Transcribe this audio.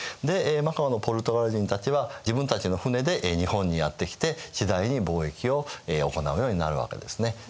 でマカオのポルトガル人たちは自分たちの船で日本にやって来て次第に貿易を行うようになるわけですね。